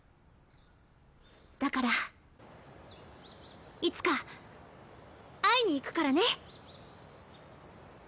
だからいつか会いに行くからね。